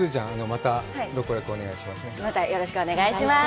またよろしくお願いします。